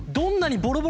ボロボロ。